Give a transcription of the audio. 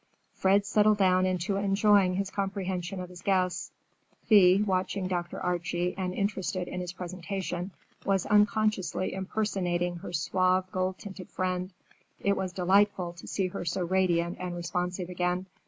Fred settled down into enjoying his comprehension of his guests. Thea, watching Dr. Archie and interested in his presentation, was unconsciously impersonating her suave, gold tinted friend. It was delightful to see her so radiant and responsive again.